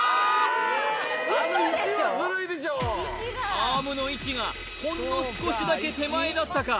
アームの位置がほんの少しだけ手前だったか？